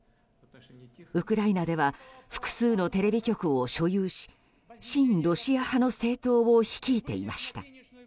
ウクライナでは複数のテレビ局を所有し親ロシア派の政党を率いていました。